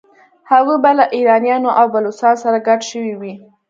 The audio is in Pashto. هغوی به له ایرانیانو او بلوڅانو سره ګډ شوي وي.